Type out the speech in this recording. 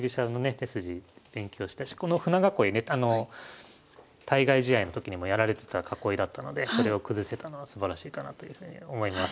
手筋勉強したしこの舟囲いねあの対外試合の時にもやられてた囲いだったのでそれを崩せたのはすばらしいかなというふうに思います。